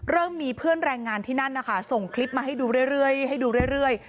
เริ่มมีเพื่อนแรงงานที่นั่นนะคะส่งคลิปมาให้ดูเรื่อย